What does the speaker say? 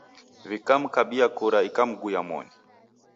W'ikamkabia kura ikamguya moni.